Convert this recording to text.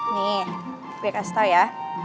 nih gue kasih tau ya